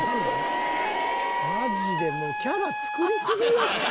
マジでもうキャラ作りすぎや。